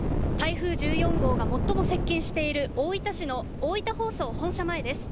台風１４号が最も接近している、大分市の大分放送本社前です。